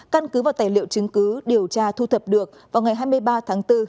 căn cứ vào tài liệu chứng cứ điều tra thu thập được vào ngày hai mươi ba tháng bốn